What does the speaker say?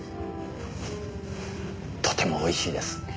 とても美味しいです。